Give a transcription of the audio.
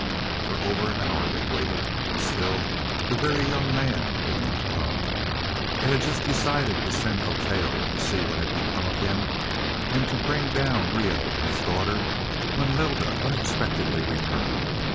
For over an hour they waited, and still the Very Young Man did not come. They had just decided to send Oteo to see what had become of him and to bring down Reoh and his daughter, when Lylda unexpectedly returned.